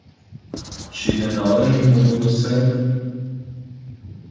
Чи не належимо ми до себе?